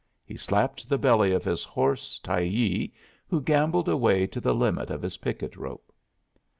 He slapped the belly of his horse Tyee, who gambolled away to the limit of his picket rope.